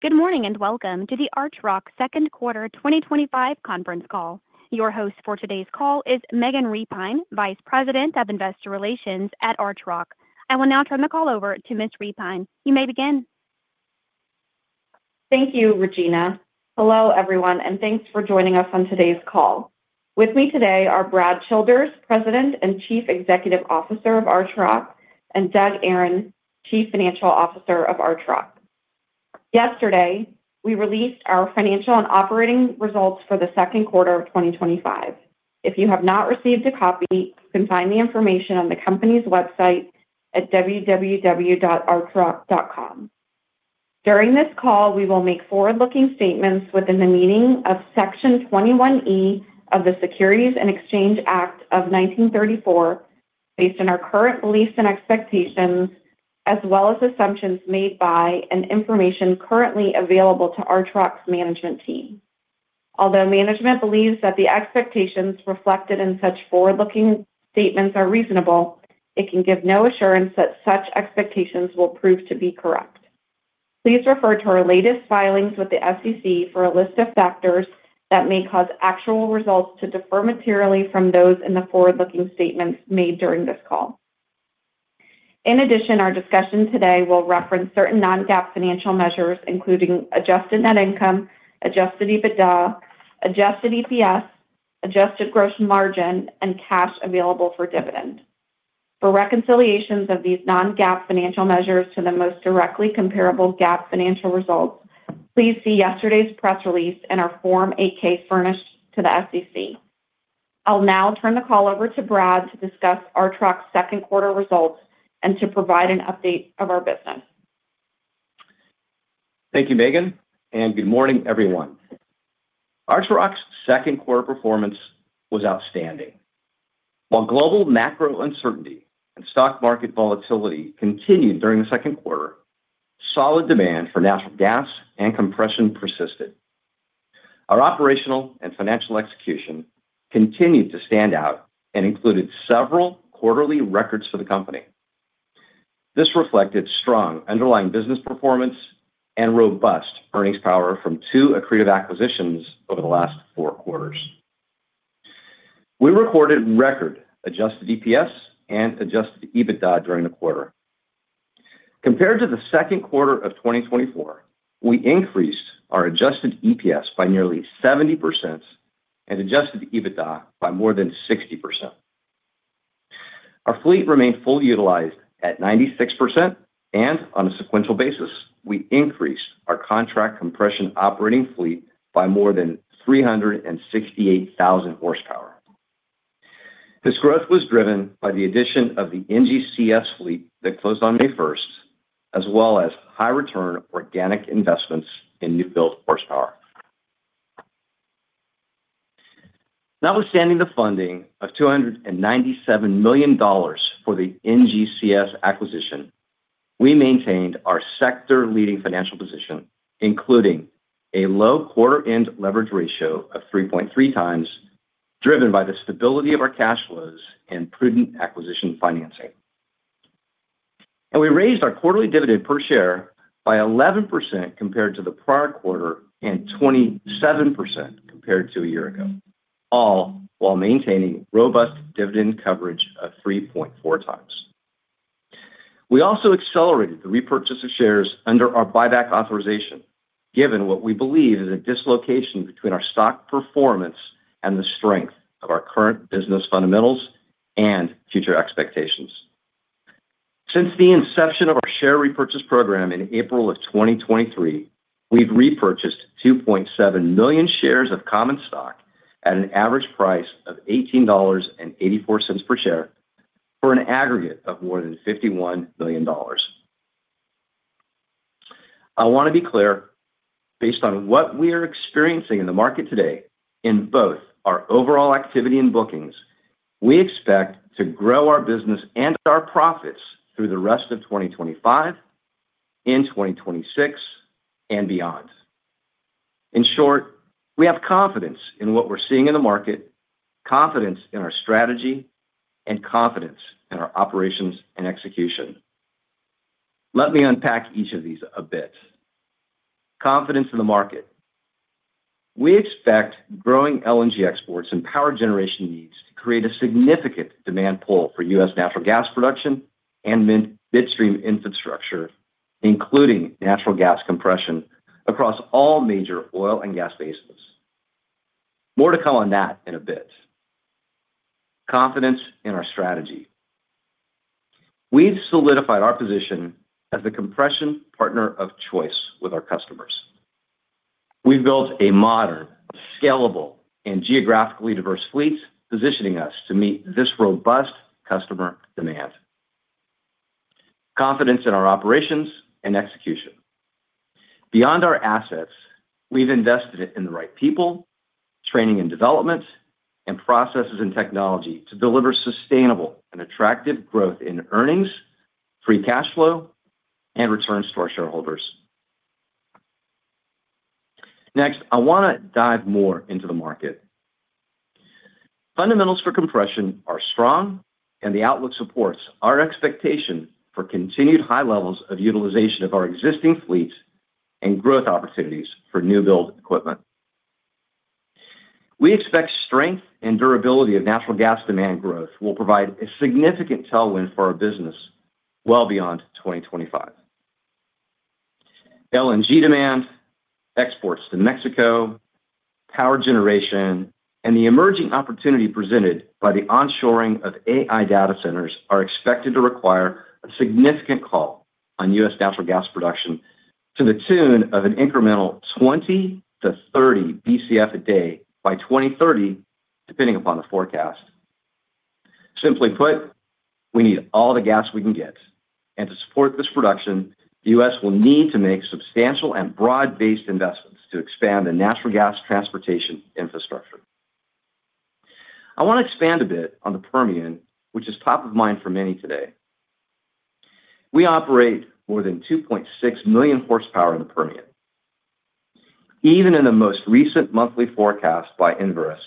Good morning and welcome to the Archrock Second Quarter 2025 Conference Call. Your host for today's call is Megan Repine, Vice President of Investor Relations at Archrock. I will now turn the call over to Ms. Repine. You may begin. Thank you, Regina. Hello, everyone, and thanks for joining us on today's call. With me today are Brad Childers, President and Chief Executive Officer of Archrock, and Doug Aron, Chief Financial Officer of Archrock. Yesterday, we released our financial and operating results for the second quarter of 2025. If you have not received a copy, you can find the information on the company's website at www.archrock.com. During this call, we will make forward-looking statements within the meaning of Section 21E of the Securities and Exchange Act of 1934, based on our current beliefs and expectations, as well as assumptions made by and information currently available to Archrock's management team. Although management believes that the expectations reflected in such forward-looking statements are reasonable, it can give no assurance that such expectations will prove to be correct. Please refer to our latest filings with the SEC for a list of factors that may cause actual results to differ materially from those in the forward-looking statements made during this call. In addition, our discussion today will reference certain non-GAAP financial measures, including adjusted net income, Adjusted EBITDA, adjusted EPS, adjusted gross margin, and Cash Available for Dividend. For reconciliations of these non-GAAP financial measures to the most directly comparable GAAP financial results, please see yesterday's press release and our Form 8-K furnished to the SEC. I'll now turn the call over to Brad to discuss Archrock's second quarter results and to provide an update of our business. Thank you, Megan, and good morning, everyone. Archrock's second quarter performance was outstanding. While global macro uncertainty and stock market volatility continued during the second quarter, solid demand for natural gas and compression persisted. Our operational and financial execution continued to stand out and included several quarterly records for the company. This reflected strong underlying business performance and robust earnings power from two accretive acquisitions over the last four quarters. We recorded record adjusted EPS and Adjusted EBITDA during the quarter. Compared to the second quarter of 2024, we increased our adjusted EPS by nearly 70% and Adjusted EBITDA by more than 60%. Our fleet remained fully utilized at 96%, and on a sequential basis, we increased our contract compression operating fleet by more than 368,000 horsepower. This growth was driven by the addition of the NGCS fleet that closed on May 1, as well as high-return organic investments in new build horsepower. Notwithstanding the funding of $297 million for the NGCS acquisition, we maintained our sector-leading financial position, including a low quarter-end leverage ratio of 3.3x, driven by the stability of our cash flows and prudent acquisition financing. We raised our quarterly dividend per share by 11% compared to the prior quarter and 27% compared to a year ago, all while maintaining robust dividend coverage of 3.4x. We also accelerated the repurchase of shares under our buyback authorization, given what we believe is a dislocation between our stock performance and the strength of our current business fundamentals and future expectations. Since the inception of our share repurchase program in April of 2023, we've repurchased 2.7 million shares of common stock at an average price of $18.84 per share for an aggregate of more than $51 million. I want to be clear, based on what we are experiencing in the market today, in both our overall activity and bookings, we expect to grow our business and our profits through the rest of 2025, in 2026, and beyond. In short, we have confidence in what we're seeing in the market, confidence in our strategy, and confidence in our operations and execution. Let me unpack each of these a bit. Confidence in the market. We expect growing LNG exports and power generation needs to create a significant demand pull for U.S. Natural gas production and midstream infrastructure, including natural gas compression across all major oil and gas basins. More to come on that in a bit. Confidence in our strategy. We've solidified our position as the compression partner of choice with our customers. We've built a modern, scalable, and geographically diverse fleet, positioning us to meet this robust customer demand. Confidence in our operations and execution. Beyond our assets, we've invested in the right people, training and development, and processes and technology to deliver sustainable and attractive growth in earnings, free cash flow, and returns to our shareholders. Next, I want to dive more into the market. Fundamentals for compression are strong, and the outlook supports our expectation for continued high levels of utilization of our existing fleet and growth opportunities for new build equipment. We expect strength and durability of natural gas demand growth will provide a significant tailwind for our business well beyond 2025. LNG demand, exports to Mexico, power generation, and the emerging opportunity presented by the onshoring of AI data centers are expected to require a significant call on U.S. natural gas production to the tune of an incremental 20-30 BCF a day by 2030, depending upon the forecast. Simply put, we need all the gas we can get, and to support this production, the U.S. will need to make substantial and broad-based investments to expand the natural gas transportation infrastructure. I want to expand a bit on the Permian, which is top of mind for many today. We operate more than 2.6 million horsepower in the Permian. Even in the most recent monthly forecast by Enverus,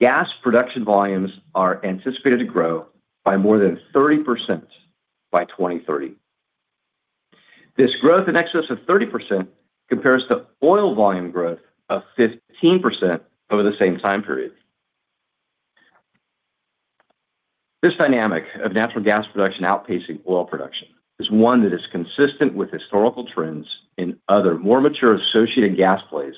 gas production volumes are anticipated to grow by more than 30% by 2030. This growth in excess of 30% compares to oil volume growth of 15% over the same time period. This dynamic of natural gas production outpacing oil production is one that is consistent with historical trends in other more mature associated gas plays,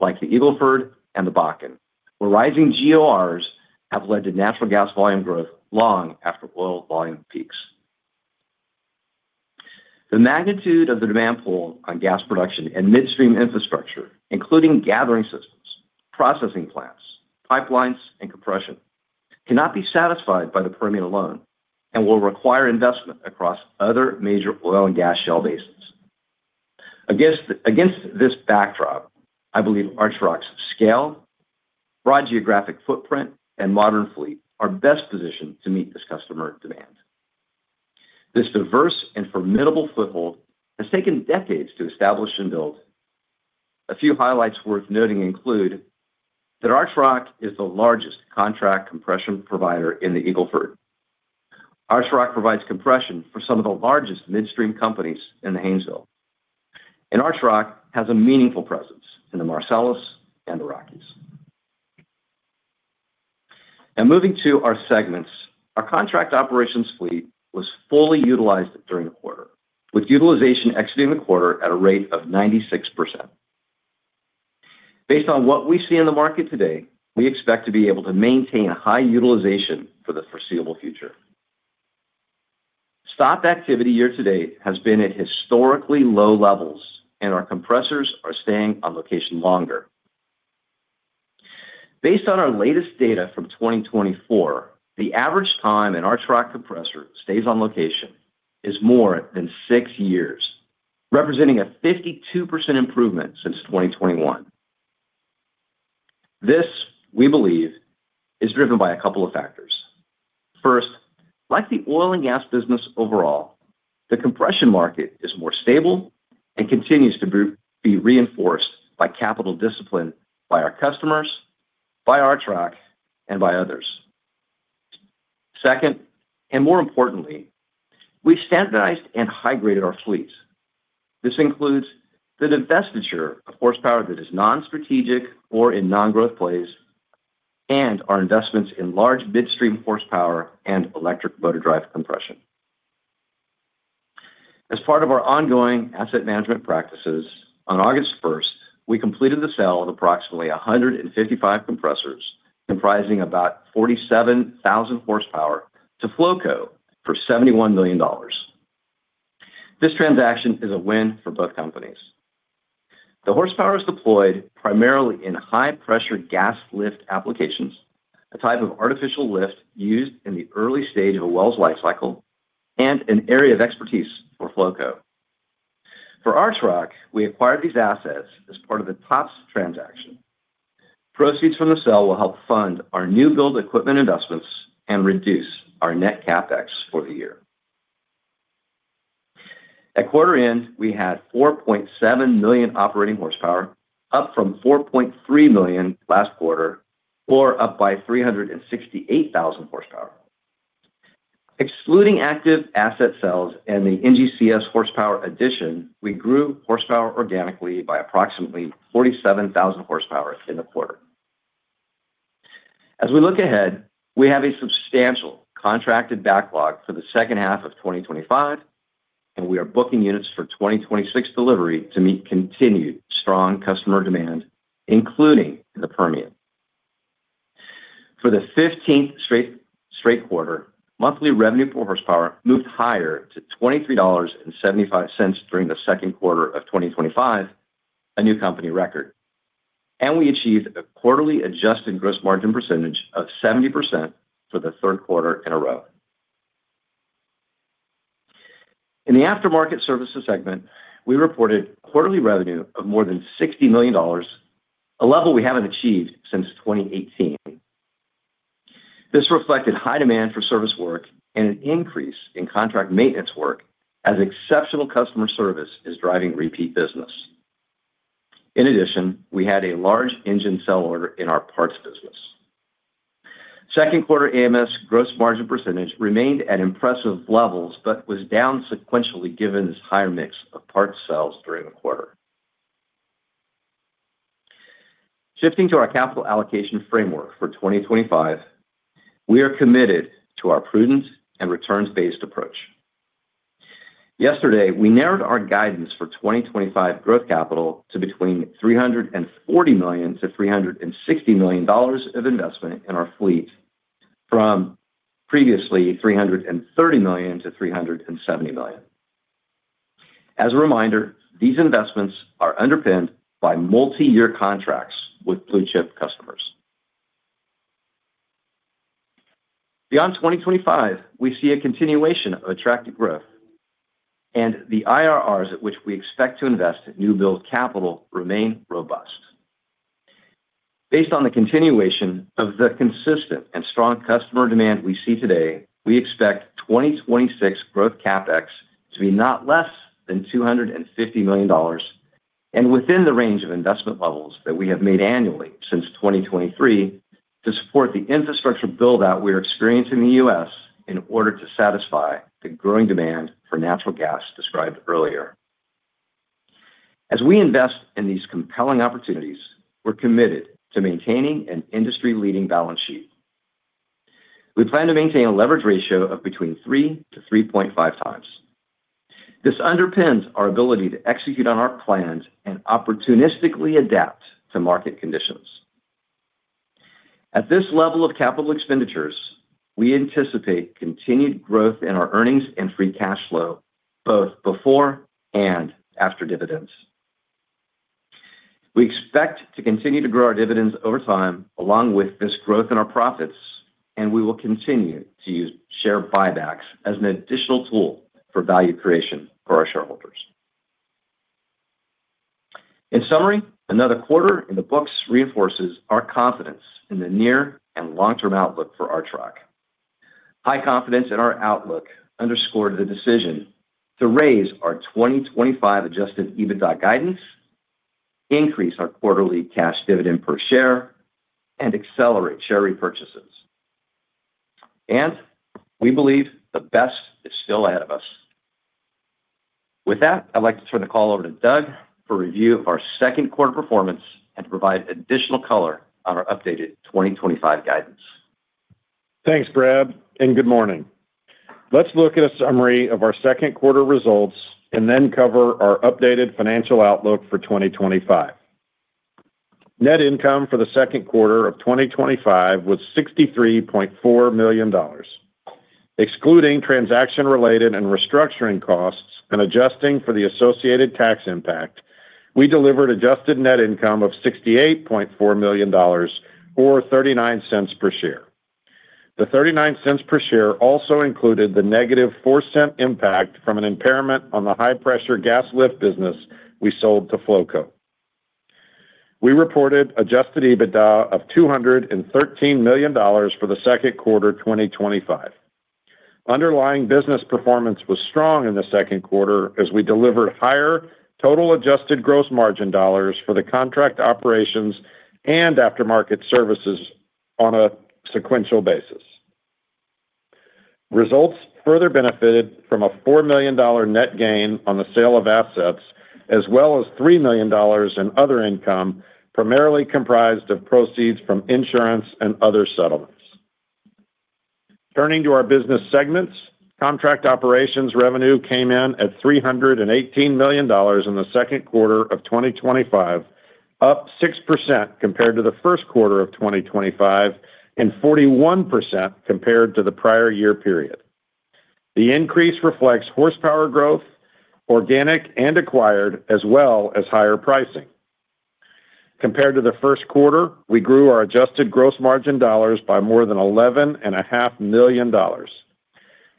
like the Eagle Ford and the Bakken, where rising GORs have led to natural gas volume growth long after oil volume peaks. The magnitude of the demand pull on gas production and midstream infrastructure, including gathering systems, processing plants, pipelines, and compression, cannot be satisfied by the Permian alone and will require investment across other major oil and gas shale basins. Against this backdrop, I believe Archrock's scale, broad geographic footprint, and modern fleet are best positioned to meet this customer demand. This diverse and formidable foothold has taken decades to establish and build. A few highlights worth noting include that Archrock is the largest contract compression provider in the Eagle Ford. Archrock provides compression for some of the largest midstream companies in the Haynesville, and Archrock has a meaningful presence in the Marcellus and the Rockies. Moving to our segments, our Contract Operations fleet was fully utilized during the quarter, with utilization exiting the quarter at a rate of 96%. Based on what we see in the market today, we expect to be able to maintain a high utilization for the foreseeable future. Stock activity year to date has been at historically low levels, and our compressors are staying on location longer. Based on our latest data from 2024, the average time an Archrock compressor stays on location is more than six years, representing a 52% improvement since 2021. This, we believe, is driven by a couple of factors. First, like the oil and gas business overall, the compression market is more stable and continues to be reinforced by capital discipline by our customers, by Archrock, and by others. Second, and more importantly, we've standardized and high-graded our fleets. This includes the divestiture of horsepower that is non-strategic or in non-growth plays, and our investments in large midstream horsepower and electric motor drive compression. As part of our ongoing asset management practices, on August 1, we completed the sale of approximately 155 compressors, comprising about 47,000 horsepower, to FLOCO for $71 million. This transaction is a win for both companies. The horsepower is deployed primarily in High-Pressure Gas Lift applications, a type of artificial lift used in the early stage of a well's lifecycle, and an area of expertise for FLOCO. For Archrock, we acquired these assets as part of the TOPS transaction. Proceeds from the sale will help fund our new build equipment investments and reduce our net CapEx for the year. At quarter end, we had 4.7 million operating horsepower, up from 4.3 million last quarter, or up by 368,000 horsepower. Excluding active asset sales and the NGCS horsepower addition, we grew horsepower organically by approximately 47,000 horsepower in the quarter. As we look ahead, we have a substantial contracted backlog for the second half of 2025, and we are booking units for 2026 delivery to meet continued strong customer demand, including in the Permian. For the 15th straight quarter, monthly revenue per horsepower moved higher to $23.75 during the second quarter of 2025, a new company record. We achieved a quarterly adjusted gross margin percentage of 70% for the third quarter in a row. In the aftermarket services segment, we reported quarterly revenue of more than $60 million, a level we haven't achieved since 2018. This reflected high demand for service work and an increase in contract maintenance work, as exceptional customer service is driving repeat business. In addition, we had a large engine sell order in our parts business. Second quarter AMS gross margin percentage remained at impressive levels, but was down sequentially given this higher mix of parts sales during the quarter. Shifting to our capital allocation framework for 2025, we are committed to our prudent and returns-based approach. Yesterday, we narrowed our guidance for 2025 growth capital to between $340 million-$360 million of investment in our fleet, from previously $330 million-$370 million. As a reminder, these investments are underpinned by multi-year contracts with blue-chip customers. Beyond 2025, we see a continuation of attractive growth, and the IRRs at which we expect to invest new build capital remain robust. Based on the continuation of the consistent and strong customer demand we see today, we expect 2026 growth CapEx to be not less than $250 million and within the range of investment levels that we have made annually since 2023 to support the infrastructure buildout we are experiencing in the U.S. in order to satisfy the growing demand for natural gas described earlier. As we invest in these compelling opportunities, we're committed to maintaining an industry-leading balance sheet. We plan to maintain a leverage ratio of between 3x-3.5x. This underpins our ability to execute on our plans and opportunistically adapt to market conditions. At this level of capital expenditures, we anticipate continued growth in our earnings and free cash flow, both before and after dividends. We expect to continue to grow our dividends over time, along with this growth in our profits, and we will continue to use share buybacks as an additional tool for value creation for our shareholders. In summary, another quarter in the books reinforces our confidence in the near and long-term outlook for Archrock. High confidence in our outlook underscored the decision to raise our 2025 Adjusted EBITDA guidance, increase our quarterly cash dividend per share, and accelerate share repurchases. We believe the best is still ahead of us. With that, I'd like to turn the call over to Doug for a review of our second quarter performance and to provide additional color on our updated 2025 guidance. Thanks, Brad, and good morning. Let's look at a summary of our second quarter results and then cover our updated financial outlook for 2025. Net income for the second quarter of 2025 was $63.4 million. Excluding transaction-related and restructuring costs and adjusting for the associated tax impact, we delivered adjusted net income of $68.4 million or $0.39 per share. The $0.39 per share also included the -$0.04 impact from an impairment on the High-Pressure Gas Lift business we sold to FLOCO. We reported Adjusted EBITDA of $213 million for the second quarter of 2025. Underlying business performance was strong in the second quarter as we delivered higher total adjusted gross margin dollars for the Contract Operations and aftermarket services on a sequential basis. Results further benefited from a $4 million net gain on the sale of assets, as well as $3 million in other income, primarily comprised of proceeds from insurance and other settlements. Turning to our business segments, Contract Operations revenue came in at $318 million in the second quarter of 2025, up 6% compared to the first quarter of 2025 and 41% compared to the prior year period. The increase reflects horsepower growth, organic and acquired, as well as higher pricing. Compared to the first quarter, we grew our adjusted gross margin dollars by more than $11.5 million.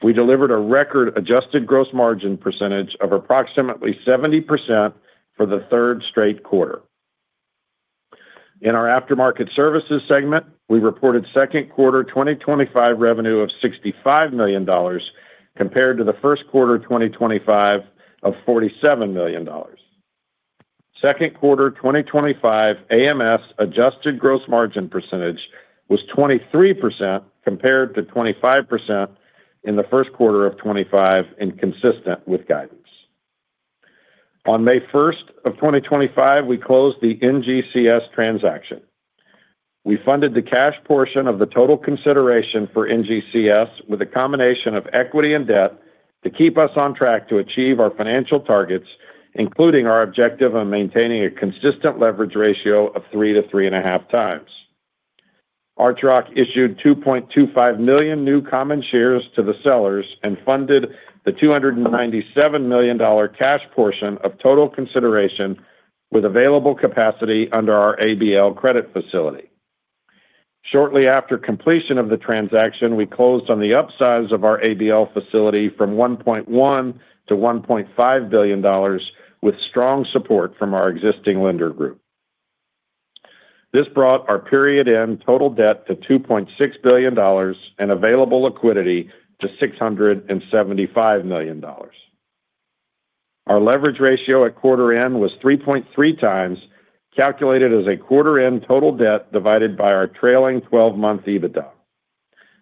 We delivered a record adjusted gross margin percentage of approximately 70% for the third straight quarter. In our aftermarket services segment, we reported second quarter 2025 revenue of $65 million compared to the first quarter 2025 of $47 million. Second quarter 2025 AMS adjusted gross margin percentage was 23% compared to 25% in the first quarter of 2025 and consistent with guidance. On May 1, 2025, we closed the NGCS transaction. We funded the cash portion of the total consideration for NGCS with a combination of equity and debt to keep us on track to achieve our financial targets, including our objective of maintaining a consistent leverage ratio of 3x-3.5x. Archrock issued 2.25 million new common shares to the sellers and funded the $297 million cash portion of total consideration with available capacity under our ABL credit facility. Shortly after completion of the transaction, we closed on the upsizing of our ABL facility from $1.1 billion-$1.5 billion with strong support from our existing lender group. This brought our period-end total debt to $2.6 billion and available liquidity to $675 million. Our leverage ratio at quarter end was 3.3x, calculated as quarter-end total debt divided by our trailing 12-month EBITDA.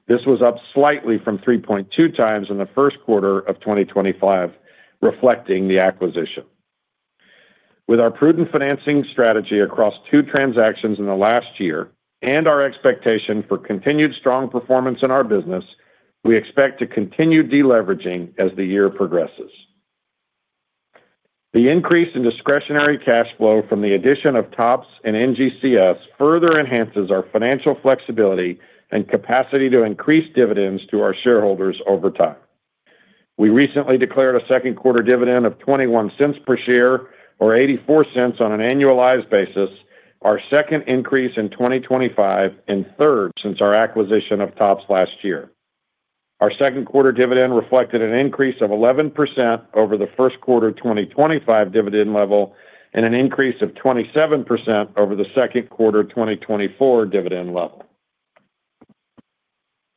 This was up slightly from 3.2x in the first quarter of 2025, reflecting the acquisition. With our prudent financing strategy across two transactions in the last year and our expectation for continued strong performance in our business, we expect to continue deleveraging as the year progresses. The increase in discretionary cash flow from the addition of TOPS and NGCS further enhances our financial flexibility and capacity to increase dividends to our shareholders over time. We recently declared a second quarter dividend of $0.21 per share or $0.84 on an annualized basis, our second increase in 2025 and third since our acquisition of TOPS last year. Our second quarter dividend reflected an increase of 11% over the first quarter 2025 dividend level and an increase of 27% over the second quarter 2024 dividend level.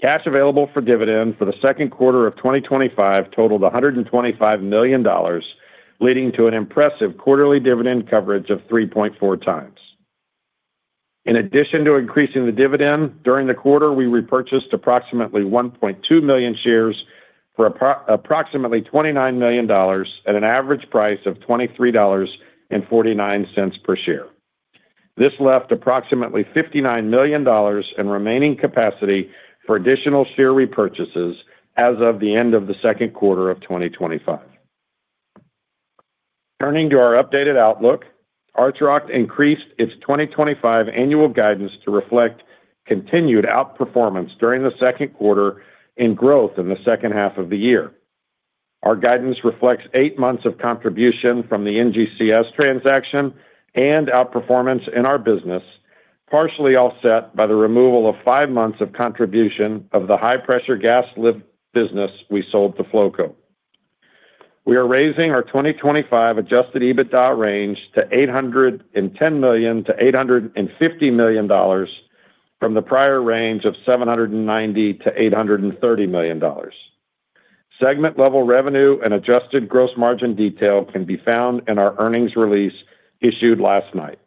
Cash Available for Dividend for the second quarter of 2025 totaled $125 million, leading to an impressive quarterly dividend coverage of 3.4x. In addition to increasing the dividend, during the quarter, we repurchased approximately 1.2 million shares for approximately $29 million at an average price of $23.49 per share. This left approximately $59 million in remaining capacity for additional share repurchases as of the end of the second quarter of 2025. Turning to our updated outlook, Archrock increased its 2025 annual guidance to reflect continued outperformance during the second quarter and growth in the second half of the year. Our guidance reflects eight months of contribution from the NGCS transaction and outperformance in our business, partially offset by the removal of five months of contribution of the High-Pressure Gas Lift business we sold to FLOCO. We are raising our 2025 Adjusted EBITDA range to $810 million-$850 million from the prior range of $790 million-$830 million. Segment-level revenue and adjusted gross margin detail can be found in our earnings release issued last night.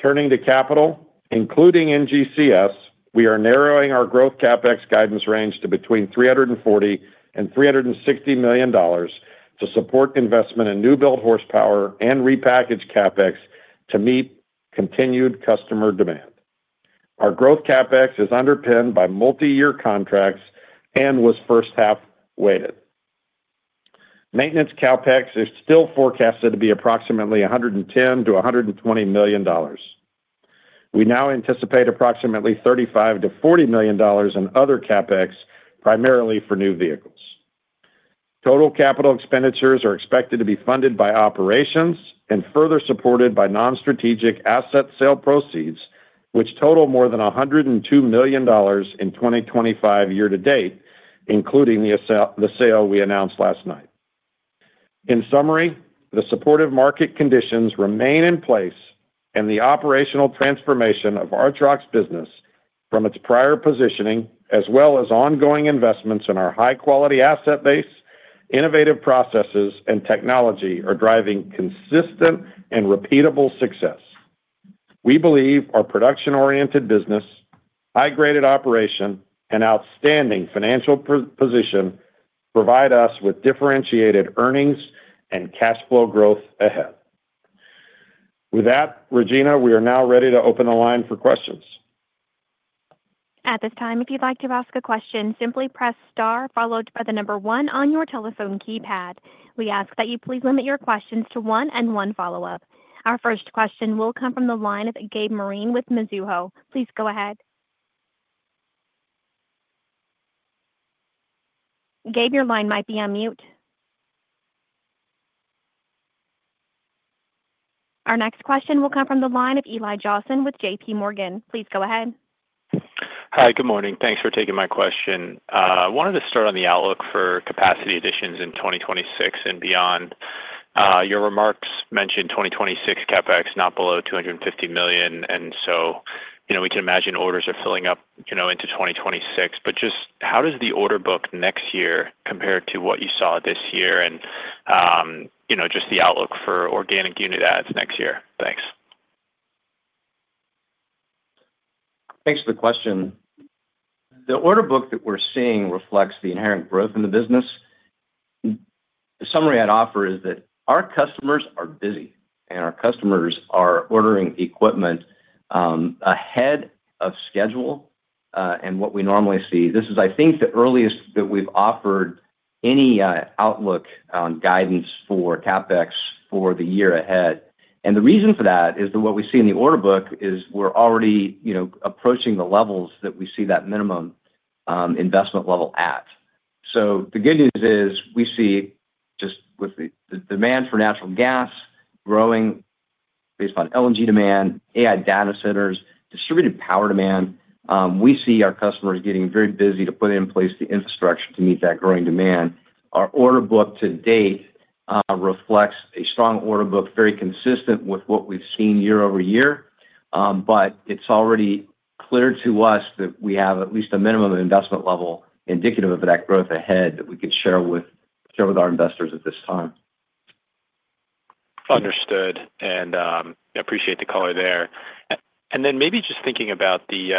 Turning to capital, including NGCS, we are narrowing our growth CapEx guidance range to between $340 million and $360 million to support investment in new build horsepower and repackaged CapEx to meet continued customer demand. Our growth CapEx is underpinned by multi-year contracts and was first half weighted. Maintenance CapEx is still forecasted to be approximately $110 million-$120 million. We now anticipate approximately $35 million-$40 million in other CapEx, primarily for new vehicles. Total capital expenditures are expected to be funded by operations and further supported by non-strategic asset sale proceeds, which total more than $102 million in 2025 year to date, including the sale we announced last night. In summary, the supportive market conditions remain in place and the operational transformation of Archrock's business from its prior positioning, as well as ongoing investments in our high-quality asset base, innovative processes, and technology are driving consistent and repeatable success. We believe our production-oriented business, high-graded operation, and outstanding financial position provide us with differentiated earnings and cash flow growth ahead. With that, Regina, we are now ready to open the line for questions. At this time, if you'd like to ask a question, simply press star followed by the number one on your telephone keypad. We ask that you please limit your questions to one and one follow-up. Our first question will come from the line of Gab Moreen with Mizuho Securities. Please go ahead. Gab, your line might be on mute. Our next question will come from the line of Eli Johnson with JPMorgan. Please go ahead. Hi, good morning. Thanks for taking my question. I wanted to start on the outlook for capacity additions in 2026 and beyond. Your remarks mentioned 2026 CapEx not below $250 million, and so, you know, we can imagine orders are filling up into 2026. Just how does the order book next year compare to what you saw this year, and the outlook for organic unit adds next year? Thanks. Thanks for the question. The order book that we're seeing reflects the inherent growth in the business. The summary I'd offer is that our customers are busy and our customers are ordering equipment ahead of schedule. What we normally see, this is, I think, the earliest that we've offered any outlook on guidance for CapEx for the year ahead. The reason for that is that what we see in the order book is we're already, you know, approaching the levels that we see that minimum investment level at. The good news is we see just with the demand for natural gas growing based on LNG demand, AI data centers, distributed power demand, we see our customers getting very busy to put in place the infrastructure to meet that growing demand. Our order book to date reflects a strong order book, very consistent with what we've seen year-over-year. It's already clear to us that we have at least a minimum investment level indicative of that growth ahead that we could share with our investors at this time. Understood. I appreciate the color there. Maybe just thinking about the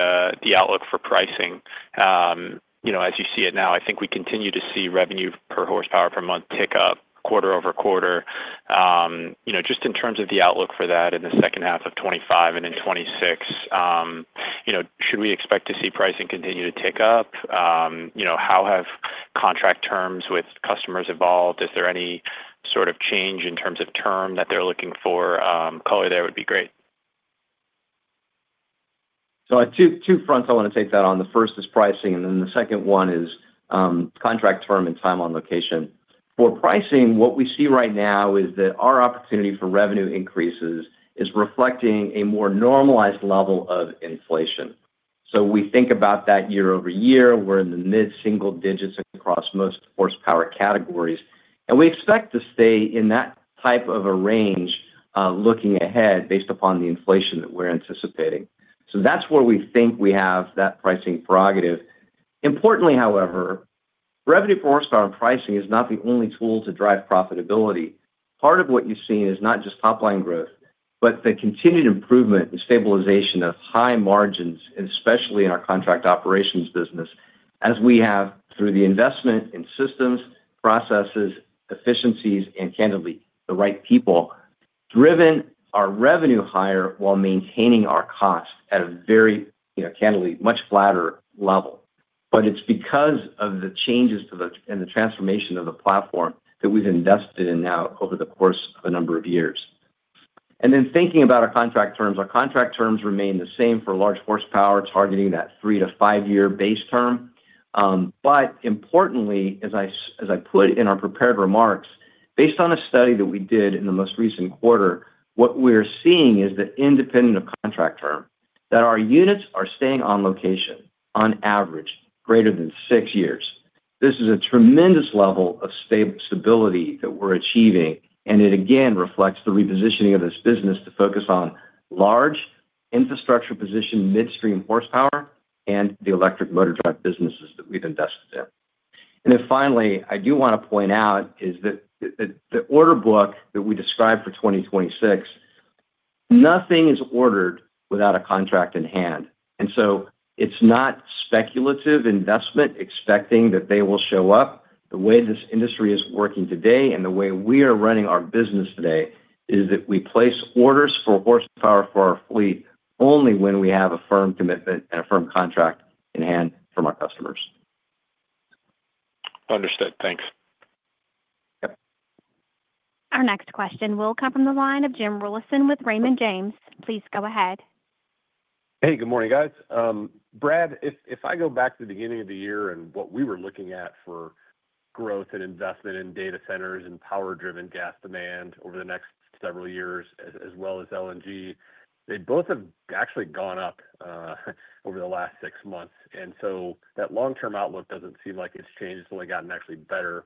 outlook for pricing, as you see it now, I think we continue to see revenue per horsepower per month tick up quarter over quarter. Just in terms of the outlook for that in the second half of 2025 and in 2026, should we expect to see pricing continue to tick up? How have contract terms with customers evolved? Is there any sort of change in terms of term that they're looking for? Color there would be great. I have two fronts I want to take that on. The first is pricing, and then the second one is contract term and time on location. For pricing, what we see right now is that our opportunity for revenue increases is reflecting a more normalized level of inflation. We think about that year-over-year. We're in the mid-single digits across most horsepower categories, and we expect to stay in that type of a range looking ahead based upon the inflation that we're anticipating. That's where we think we have that pricing prerogative. Importantly, however, revenue per horsepower pricing is not the only tool to drive profitability. Part of what you've seen is not just top line growth, but the continued improvement and stabilization of high margins, especially in our Contract Operations business, as we have through the investment in systems, processes, efficiencies, and candidly, the right people, driven our revenue higher while maintaining our cost at a very, you know, candidly, much flatter level. It's because of the changes and the transformation of the platform that we've invested in now over the course of a number of years. Thinking about our contract terms, our contract terms remain the same for large horsepower, targeting that three to five-year base term. Importantly, as I put in our prepared remarks, based on a study that we did in the most recent quarter, what we're seeing is that independent of contract term, our units are staying on location on average greater than six years. This is a tremendous level of stability that we're achieving, and it again reflects the repositioning of this business to focus on large infrastructure position midstream horsepower and the electric motor drive businesses that we've invested in. Finally, I do want to point out that the order book that we described for 2026, nothing is ordered without a contract in hand. It's not speculative investment expecting that they will show up. The way this industry is working today and the way we are running our business today is that we place orders for horsepower for our fleet only when we have a firm commitment and a firm contract in hand from our customers. Understood. Thanks. Our next question will come from the line of Jim Rollyson with Raymond James. Please go ahead. Hey, good morning, guys. Brad, if I go back to the beginning of the year and what we were looking at for growth and investment in data centers and power-driven gas demand over the next several years, as well as LNG, they both have actually gone up over the last six months. That long-term outlook doesn't seem like it's changed. It's only gotten actually better.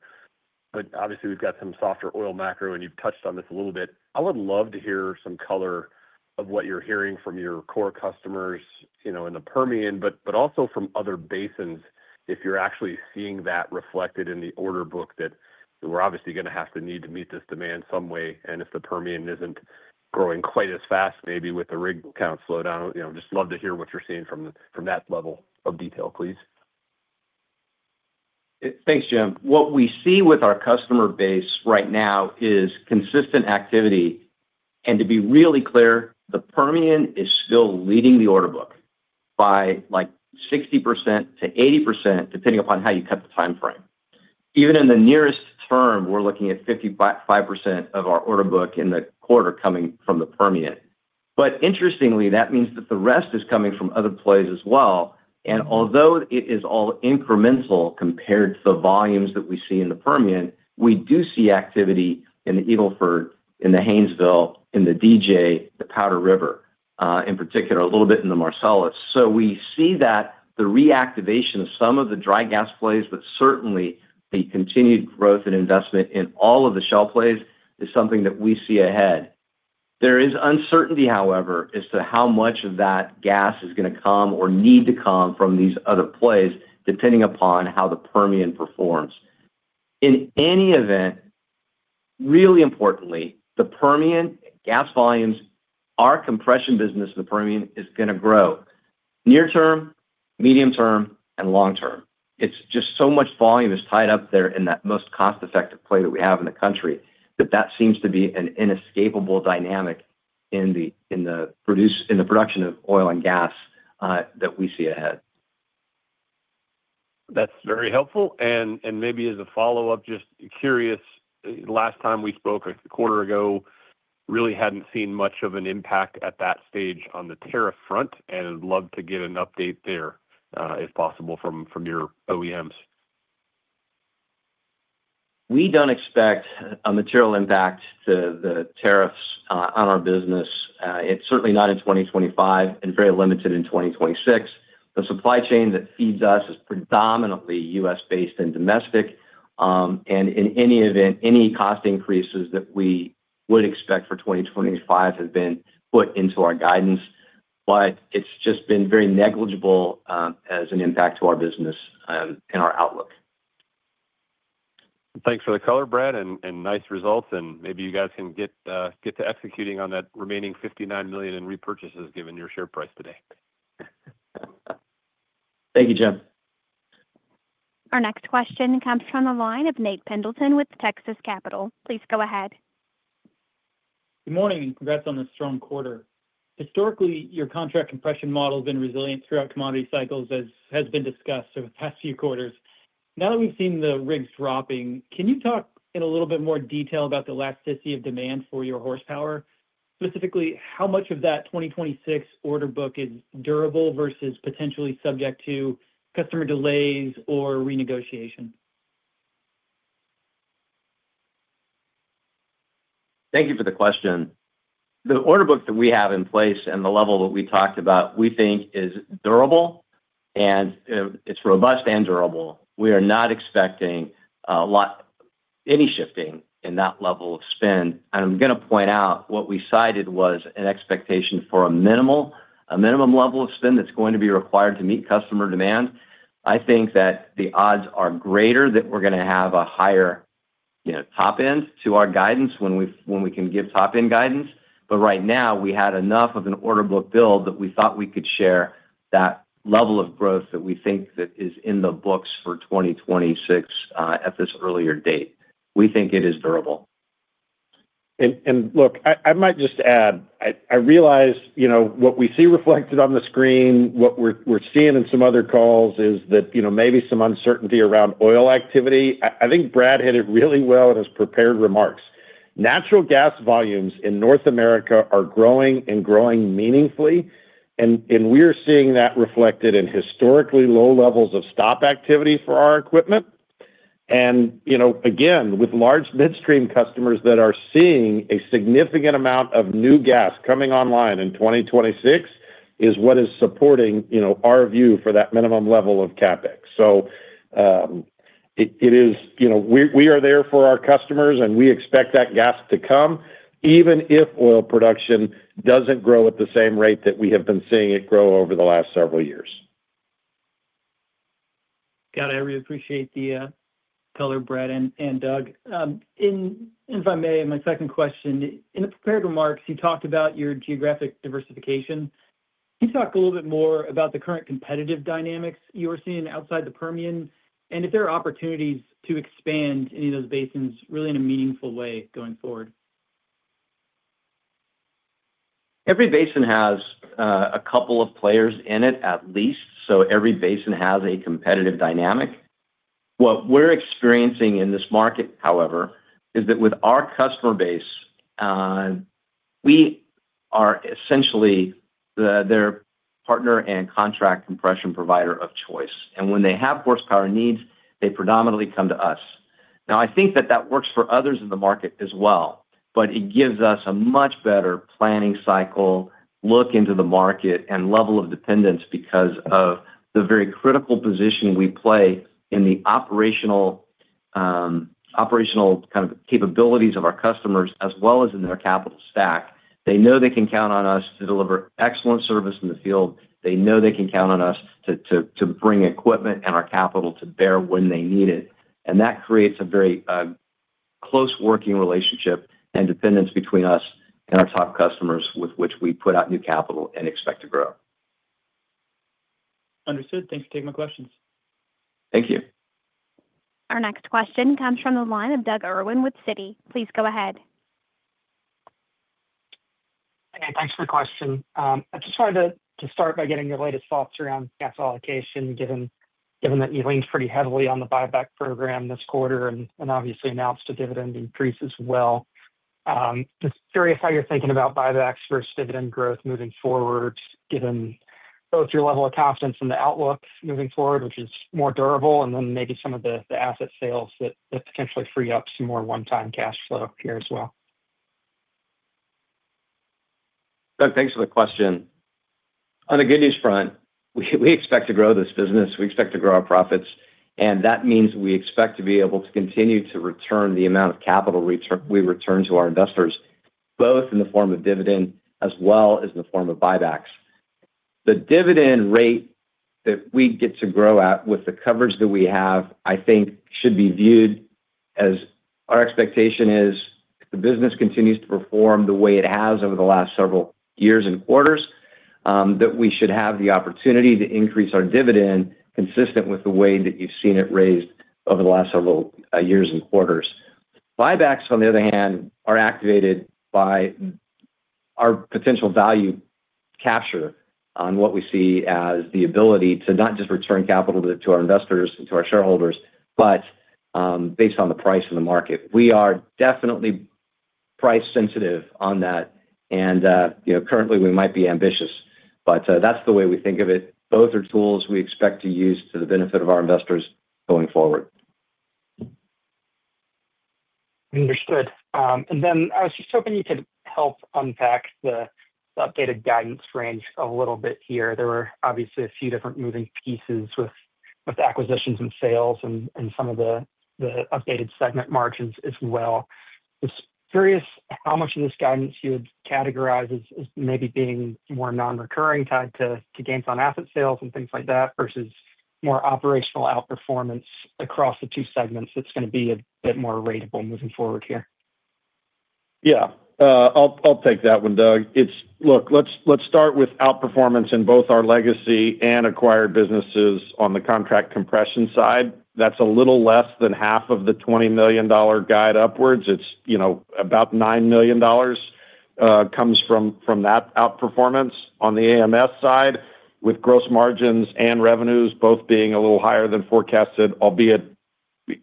Obviously, we've got some softer oil macro, and you've touched on this a little bit. I would love to hear some color of what you're hearing from your core customers, you know, in the Permian, but also from other basins, if you're actually seeing that reflected in the order book that we're obviously going to have to need to meet this demand some way. If the Permian isn't growing quite as fast, maybe with the rig count slowed down, you know, just love to hear what you're seeing from that level of detail, please. Thanks, Jim. What we see with our customer base right now is consistent activity. To be really clear, the Permian is still leading the order book by like 60%-80%, depending upon how you cut the timeframe. Even in the nearest firm, we're looking at 55% of our order book in the quarter coming from the Permian. Interestingly, that means the rest is coming from other plays as well. Although it is all incremental compared to the volumes that we see in the Permian, we do see activity in the Eagle Ford, in the Haynesville, in the DJ, the Powder River in particular, a little bit in the Marcellus. We see that the reactivation of some of the dry gas plays, but certainly the continued growth and investment in all of the shale plays is something that we see ahead. There is uncertainty, however, as to how much of that gas is going to come or need to come from these other plays, depending upon how the Permian performs. In any event, really importantly, the Permian gas volumes, our compression business in the Permian is going to grow near-term, medium-term, and long-term. It's just so much volume is tied up there in that most cost-effective play that we have in the country that that seems to be an inescapable dynamic in the production of oil and gas that we see ahead. That's very helpful. Maybe as a follow-up, just curious, the last time we spoke a quarter ago, really hadn't seen much of an impact at that stage on the tariff front. I'd love to get an update there, if possible, from your OEMs. We don't expect a material impact to the tariffs on our business, certainly not in 2025 and very limited in 2026. The supply chain that feeds us is predominantly U.S.-based and domestic. In any event, any cost increases that we would expect for 2025 have been put into our guidance, but it's just been very negligible as an impact to our business and our outlook. Thanks for the color, Brad, and nice results. Maybe you guys can get to executing on that remaining $59 million in repurchases given your share price today. Thank you, Jim. Our next question comes from the line of Nate Pendleton with Texas Capital. Please go ahead. Good morning. Congrats on the strong quarter. Historically, your contract compression model has been resilient throughout commodity cycles, as has been discussed over the past few quarters. Now that we've seen the rigs dropping, can you talk in a little bit more detail about the elasticity of demand for your horsepower? Specifically, how much of that 2026 order book is durable versus potentially subject to customer delays or renegotiation? Thank you for the question. The order book that we have in place and the level that we talked about, we think is durable, and it's robust and durable. We are not expecting any shifting in that level of spend. I am going to point out what we cited was an expectation for a minimum level of spend that's going to be required to meet customer demand. I think that the odds are greater that we're going to have a higher, you know, top end to our guidance when we can give top end guidance. Right now, we had enough of an order book build that we thought we could share that level of growth that we think that is in the books for 2026 at this earlier date. We think it is durable. I might just add, I realize, you know, what we see reflected on the screen, what we're seeing in some other calls is that, you know, maybe some uncertainty around oil activity. I think Brad hit it really well in his prepared remarks. Natural gas volumes in North America are growing and growing meaningfully, and we are seeing that reflected in historically low levels of stock activity for our equipment. Again, with large midstream customers that are seeing a significant amount of new gas coming online in 2026 is what is supporting, you know, our view for that minimum level of CapEx. It is, you know, we are there for our customers, and we expect that gas to come, even if oil production doesn't grow at the same rate that we have been seeing it grow over the last several years. Got it. I really appreciate the color, Brad and Doug. If I may, my second question, in the prepared remarks, you talked about your geographic diversification. Can you talk a little bit more about the current competitive dynamics you're seeing outside the Permian, and if there are opportunities to expand any of those basins really in a meaningful way going forward? Every basin has a couple of players in it at least, so every basin has a competitive dynamic. What we're experiencing in this market, however, is that with our customer base, we are essentially their partner and contract compression provider of choice. When they have horsepower needs, they predominantly come to us. I think that that works for others in the market as well, but it gives us a much better planning cycle, look into the market, and level of dependence because of the very critical position we play in the operational kind of capabilities of our customers as well as in their capital stack. They know they can count on us to deliver excellent service in the field. They know they can count on us to bring equipment and our capital to bear when they need it. That creates a very close working relationship and dependence between us and our top customers with which we put out new capital and expect to grow. Understood. Thanks for taking my questions. Thank you. Our next question comes from the line of Doug Irwin with Citi. Please go ahead. Thanks for the question. I just wanted to start by getting your latest thoughts around gas allocation, given that you leaned pretty heavily on the buyback program this quarter and obviously announced a dividend increase as well. Just curious how you're thinking about buybacks versus dividend growth moving forward, given both your level of confidence in the outlook moving forward, which is more durable, and then maybe some of the asset sales that potentially free up some more one-time cash flow here as well. Doug, thanks for the question. On a good news front, we expect to grow this business. We expect to grow our profits, and that means we expect to be able to continue to return the amount of capital we return to our investors, both in the form of dividend as well as in the form of buybacks. The dividend rate that we get to grow at with the coverage that we have, I think, should be viewed as our expectation is if the business continues to perform the way it has over the last several years and quarters, that we should have the opportunity to increase our dividend consistent with the way that you've seen it raised over the last several years and quarters. Buybacks, on the other hand, are activated by our potential value capture on what we see as the ability to not just return capital to our investors and to our shareholders, but based on the price in the market. We are definitely price-sensitive on that, and currently, we might be ambitious, but that's the way we think of it. Both are tools we expect to use to the benefit of our investors going forward. Understood. I was just hoping you could help unpack the updated guidance range a little bit here. There were obviously a few different moving pieces with acquisitions and sales and some of the updated segment margins as well. Just curious how much of this guidance you would categorize as maybe being more non-recurring tied to gains on asset sales and things like that versus more operational outperformance across the two segments that's going to be a bit more ratable moving forward here. Yeah, I'll take that one, Doug. Look, let's start with outperformance in both our legacy and acquired businesses on the contract compression side. That's a little less than half of the $20 million guide upwards. It's, you know, about $9 million comes from that outperformance. On the AMS side, with gross margins and revenues both being a little higher than forecasted, albeit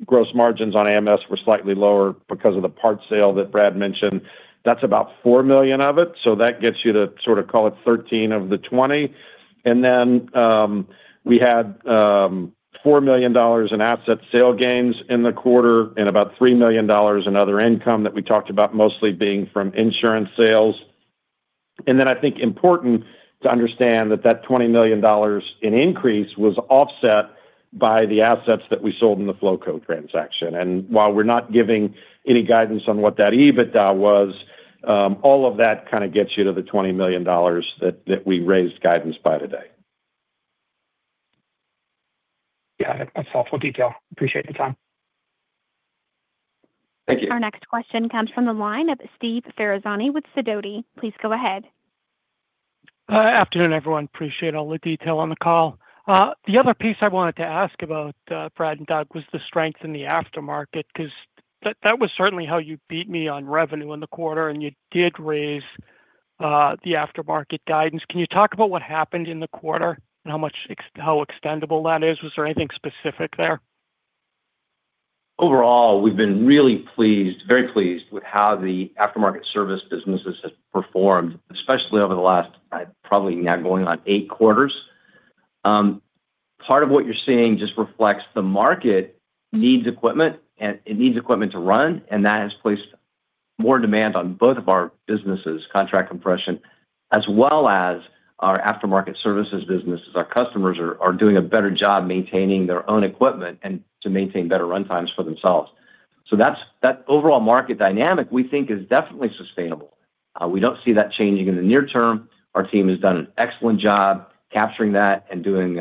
gross margins on AMS were slightly lower because of the part sale that Brad mentioned. That's about $4 million of it. That gets you to sort of call it $13 million of the $20 million. We had $4 million in asset sale gains in the quarter and about $3 million in other income that we talked about, mostly being from insurance sales. I think it's important to understand that $20 million in increase was offset by the assets that we sold in the FLOCO transaction. While we're not giving any guidance on what that EBITDA was, all of that kind of gets you to the $20 million that we raised guidance by today. Got it. That's helpful detail. Appreciate the time. Thank you. Our next question comes from the line of Steve Ferazani with Sidoti. Please go ahead. Afternoon, everyone. Appreciate all the detail on the call. The other piece I wanted to ask about, Brad and Doug, was the strength in the aftermarket because that was certainly how you beat me on revenue in the quarter, and you did raise the aftermarket guidance. Can you talk about what happened in the quarter and how much, how extendable that is? Was there anything specific there? Overall, we've been really pleased, very pleased with how the aftermarket services businesses have performed, especially over the last probably now going on eight quarters. Part of what you're seeing just reflects the market needs equipment, and it needs equipment to run, and that has placed more demand on both of our businesses, contract compression, as well as our aftermarket services businesses. Our customers are doing a better job maintaining their own equipment and to maintain better run times for themselves. That overall market dynamic, we think, is definitely sustainable. We don't see that changing in the near term. Our team has done an excellent job capturing that and doing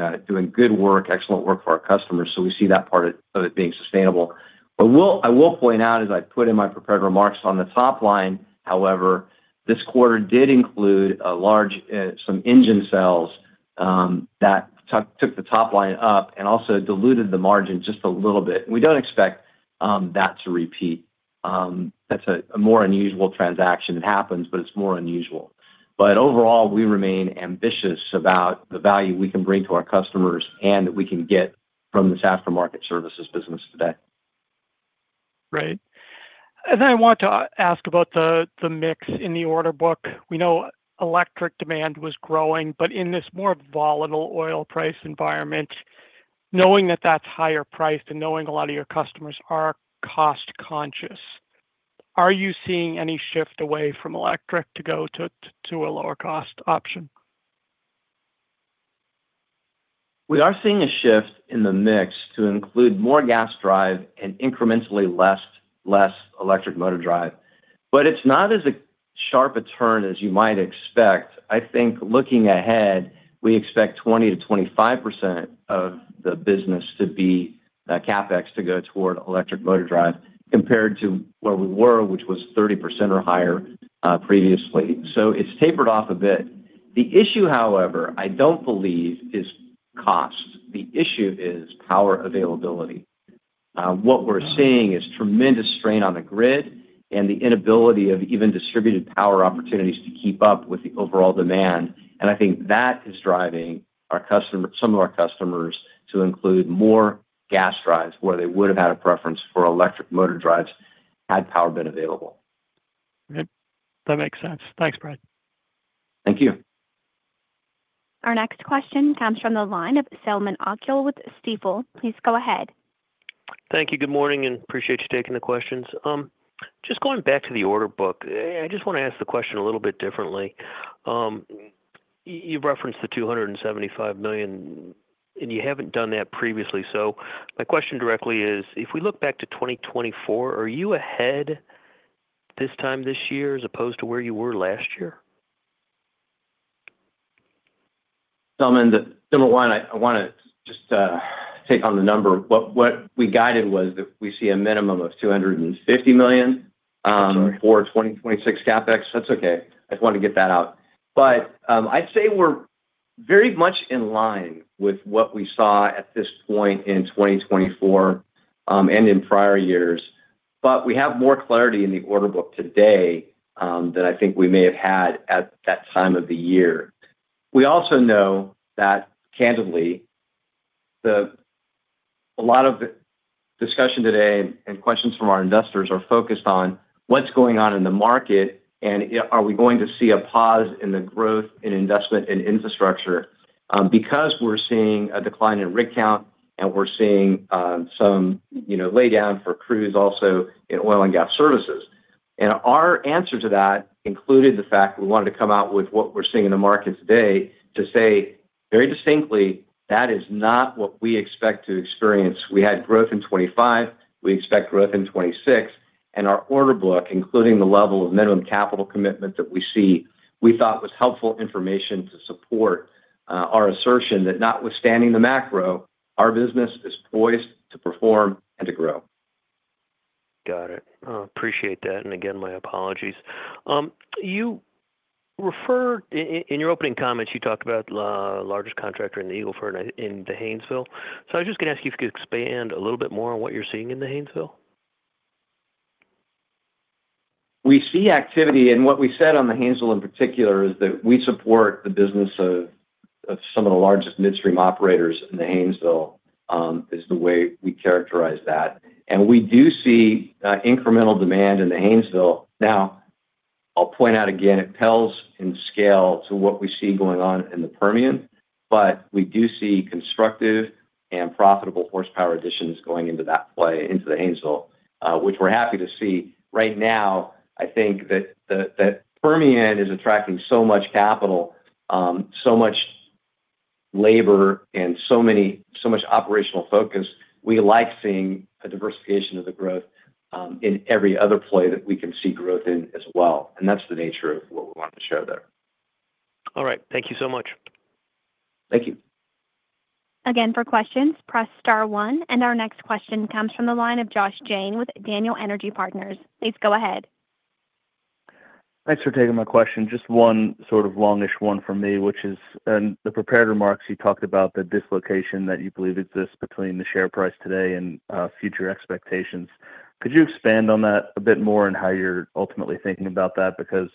good work, excellent work for our customers. We see that part of it being sustainable. What I will point out, as I put in my prepared remarks on the top line, however, this quarter did include a large sum engine sales that took the top line up and also diluted the margin just a little bit. We don't expect that to repeat. That's a more unusual transaction. It happens, but it's more unusual. Overall, we remain ambitious about the value we can bring to our customers and that we can get from this aftermarket services business today. Right. I want to ask about the mix in the order book. We know electric demand was growing, but in this more volatile oil price environment, knowing that that's higher priced and knowing a lot of your customers are cost-conscious, are you seeing any shift away from electric to go to a lower cost option? We are seeing a shift in the mix to include more gas drive and incrementally less electric motor drive, but it's not as sharp a turn as you might expect. I think looking ahead, we expect 20%-25% of the business to be CapEx to go toward electric motor drive compared to where we were, which was 30% or higher previously. It's tapered off a bit. The issue, however, I don't believe is cost. The issue is power availability. What we're seeing is tremendous strain on the grid and the inability of even distributed power opportunities to keep up with the overall demand. I think that is driving some of our customers to include more gas drives where they would have had a preference for electric motor drives had power been available. Okay. That makes sense. Thanks, Brad. Thank you. Our next question comes from the line of Selman Akyol with Stifel. Please go ahead. Thank you. Good morning, and appreciate you taking the questions. Just going back to the order book, I just want to ask the question a little bit differently. You referenced the $275 million, and you haven't done that previously. My question directly is, if we look back to 2024, are you ahead this time this year as opposed to where you were last year? Selman, number one, I want to just take on the number. What we guided was that we see a minimum of $250 million for 2026 CapEx. That's okay. I just wanted to get that out. I'd say we're very much in line with what we saw at this point in 2024 and in prior years, but we have more clarity in the order book today than I think we may have had at that time of the year. We also know that, candidly, a lot of the discussion today and questions from our investors are focused on what's going on in the market and are we going to see a pause in the growth in investment in infrastructure because we're seeing a decline in rig count and we're seeing some lay down for crews also in oil and gas services. Our answer to that included the fact that we wanted to come out with what we're seeing in the market today to say very distinctly that is not what we expect to experience. We had growth in 2025. We expect growth in 2026, and our order book, including the level of minimum capital commitment that we see, we thought was helpful information to support our assertion that notwithstanding the macro, our business is poised to perform and to grow. Got it. Appreciate that. My apologies. You referred in your opening comments, you talked about the largest contractor in the Eagle Ford and in the Haynesville. I was just going to ask you if you could expand a little bit more on what you're seeing in the Haynesville. We see activity, and what we said on the Haynesville in particular is that we support the business of some of the largest midstream operators in the Haynesville is the way we characterize that. We do see incremental demand in the Haynesville. I'll point out again, it pales in scale to what we see going on in the Permian, but we do see constructive and profitable horsepower additions going into that play into the Haynesville, which we're happy to see. Right now, I think that the Permian is attracting so much capital, so much labor, and so much operational focus. We like seeing a diversification of the growth in every other play that we can see growth in as well. That's the nature of what we want to show there. All right. Thank you so much. Thank you. Again, for questions, press star one. Our next question comes from the line of Josh Jane with Daniel Energy Partners. Please go ahead. Thanks for taking my question. Just one sort of longish one from me, which is the prepared remarks you talked about, the dislocation that you believe exists between the share price today and future expectations. Could you expand on that a bit more and how you're ultimately thinking about that? Because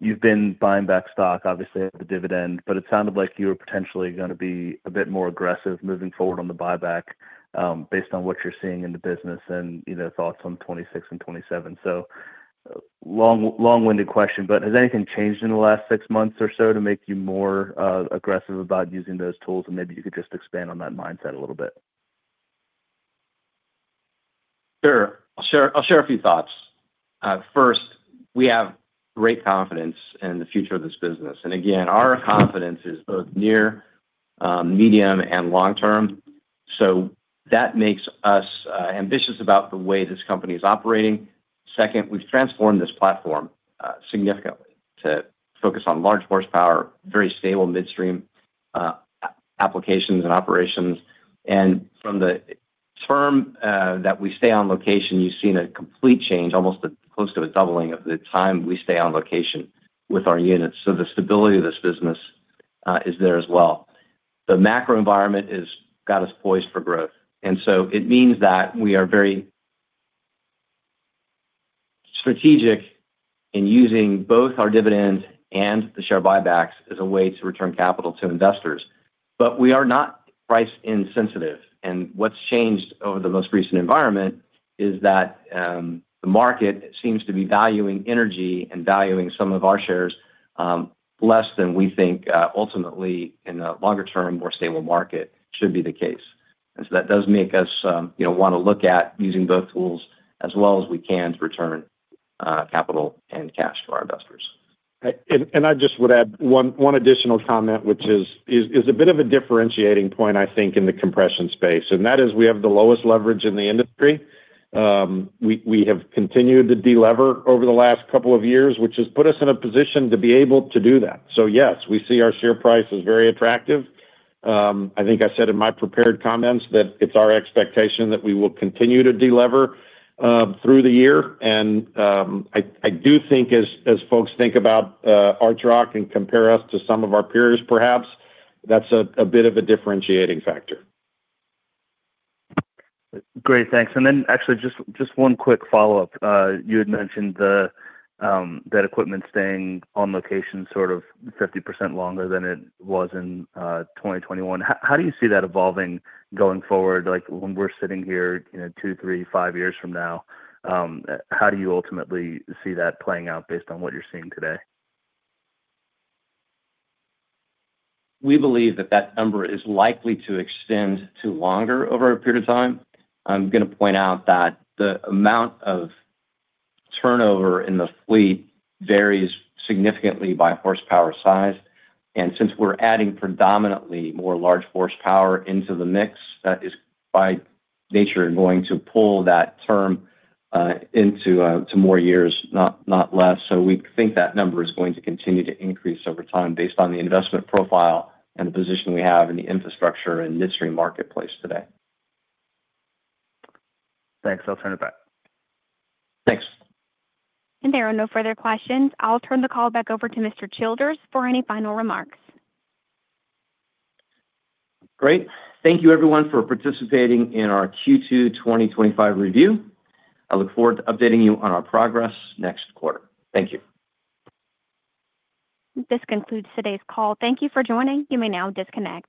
you've been buying back stock, obviously, at the dividend, but it sounded like you were potentially going to be a bit more aggressive moving forward on the buyback based on what you're seeing in the business and you know thoughts on '26 and '27. Long-winded question, but has anything changed in the last six months or so to make you more aggressive about using those tools? Maybe you could just expand on that mindset a little bit. Sure. I'll share a few thoughts. First, we have great confidence in the future of this business. Again, our confidence is both near, medium, and long-term. That makes us ambitious about the way this company is operating. Second, we've transformed this platform significantly to focus on large horsepower, very stable midstream applications and operations. From the term that we stay on location, you've seen a complete change, almost close to the doubling of the time we stay on location with our units. The stability of this business is there as well. The macro environment has got us poised for growth. It means that we are very strategic in using both our dividends and the share buybacks as a way to return capital to investors. We are not price-insensitive. What's changed over the most recent environment is that the market seems to be valuing energy and valuing some of our shares less than we think. Ultimately, in the longer term, a more stable market should be the case. That does make us want to look at using both tools as well as we can to return capital and cash to our investors. I just would add one additional comment, which is a bit of a differentiating point, I think, in the compression space. That is we have the lowest leverage in the industry. We have continued to delever over the last couple of years, which has put us in a position to be able to do that. Yes, we see our share price is very attractive. I think I said in my prepared comments that it's our expectation that we will continue to delever through the year. I do think as folks think about Archrock and compare us to some of our peers, perhaps that's a bit of a differentiating factor. Great, thanks. Actually, just one quick follow-up. You had mentioned that equipment staying on location is sort of 50% longer than it was in 2021. How do you see that evolving going forward? Like when we're sitting here, you know, two, three, five years from now, how do you ultimately see that playing out based on what you're seeing today? We believe that number is likely to extend to longer over a period of time. I'm going to point out that the amount of turnover in the fleet varies significantly by horsepower size. Since we're adding predominantly more large horsepower into the mix, that is by nature going to pull that term into more years, not less. We think that number is going to continue to increase over time based on the investment profile and the position we have in the infrastructure and midstream marketplace today. Thanks. I'll turn it back. Thanks. There are no further questions. I'll turn the call back over to Mr. Childers for any final remarks. Great. Thank you, everyone, for participating in our Q2 2025 review. I look forward to updating you on our progress next quarter. Thank you. This concludes today's call. Thank you for joining. You may now disconnect.